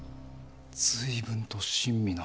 随分と親身な。